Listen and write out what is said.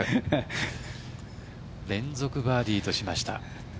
連続バーディーとしました。